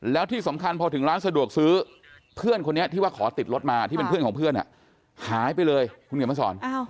แล้วที่สำคัญพอถึงร้านสะดวกซื้อเพื่อนคนนี้ที่ว่าขอติดรถมาที่เป็นเพื่อนของเพื่อนหายไปเลยคุณเขียนมาสอน